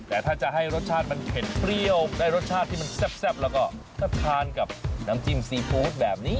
แต่ถ้าจะให้รสชาติมันเผ็ดเปรี้ยวได้รสชาติที่มันแซ่บแล้วก็ถ้าทานกับน้ำจิ้มซีฟู้ดแบบนี้